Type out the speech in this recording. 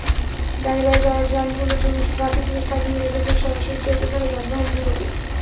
ডানে-বাঁয়ে যাওয়ার যানগুলোর জন্য traffic police থামিয়ে রেখেছেন সরাসরি চলতে থাকা যানগুলোকে।